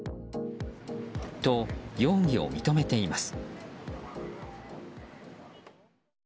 と、容疑を認めています。